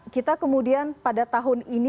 kita kemudian pada tahun ini